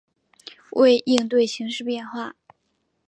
为应对形势变化